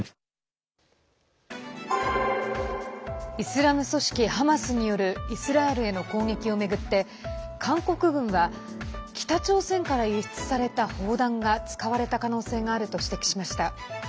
イスラム組織ハマスによるイスラエルへの攻撃を巡って韓国軍は北朝鮮から輸出された砲弾が使われた可能性があると指摘しました。